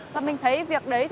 và mình thấy việc đấy